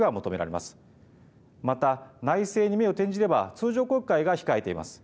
また、内政に目を転じれば、通常国会が控えています。